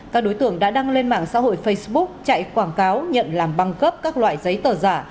các đối tượng đã đăng lên mạng xã hội facebook chạy quảng cáo nhận làm băng cấp các loại giấy tờ giả